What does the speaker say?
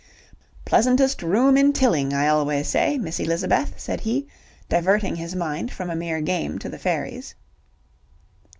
"Pleasantest room in Tilling, I always say, Miss Elizabeth," said he, diverting his mind from a mere game to the fairies.